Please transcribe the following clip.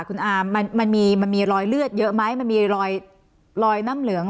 คุณอามมันมีมันมีรอยเลือดเยอะไหมมันมีรอยน้ำเหลือง